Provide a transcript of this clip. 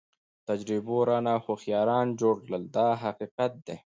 تجربو رانه هوښیاران جوړ کړل دا حقیقت دی.